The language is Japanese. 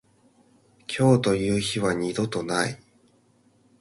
今日という日は二度とない。